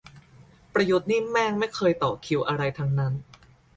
ประยุทธ์นี่แม่งไม่เคยต่อคิวอะไรทั้งนั้น